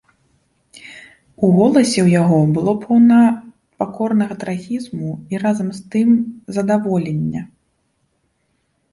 У голасе ў яго было поўна пакорнага трагізму і разам з тым задаволення.